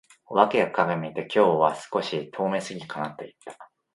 お化けが鏡を見て、「今日は少し透明過ぎるかな」と思った。